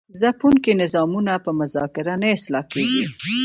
ځپونکي نظامونه په مذاکره نه اصلاح کیږي.